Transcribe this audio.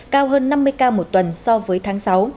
cao hơn năm mươi ca một tuần so với tháng sáu